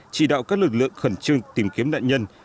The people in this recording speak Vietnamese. chỉ đạo các lực lượng khẩn trương tìm kiếm nạn nhân